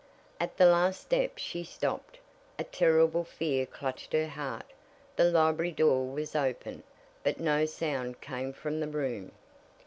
At the last step she stopped a terrible fear clutched her heart. The library door was open, but no sound came from the room.